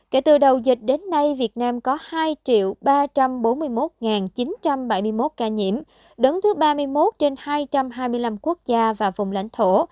kể từ đầu dịch đến nay việt nam có hai ba trăm bốn mươi một chín trăm bảy mươi một ca nhiễm đứng thứ ba mươi một trên hai trăm hai mươi năm quốc gia và vùng lãnh thổ